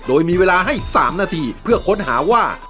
โดยมีเวลาให้๓นาทีเพื่อค้นหาว่า